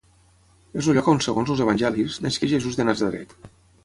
És el lloc on segons els evangelis, nasqué Jesús de Natzaret.